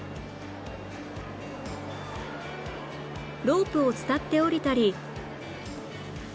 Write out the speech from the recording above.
ロープを伝って降りたり